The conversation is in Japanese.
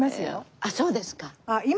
あっそうですか。